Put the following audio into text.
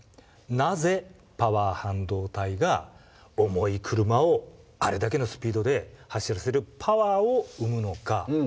なぜパワー半導体が重い車をあれだけのスピードで走らせるパワーをうむのか。